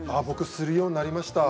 するようになりました